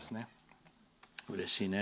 うれしいね。